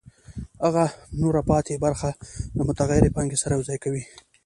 هغه نوره پاتې برخه له متغیرې پانګې سره یوځای کوي